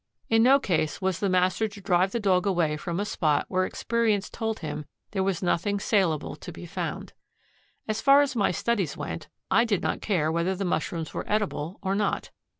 In no case was the master to drive the dog away from a spot where experience told him there was nothing salable to be found. As far as my studies went, I did not care whether the mushrooms were edible or not.